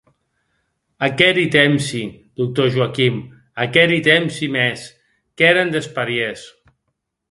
Aqueri tempsi, D. Joaquim, aqueri tempsi mèns, qu’èren desparièrs.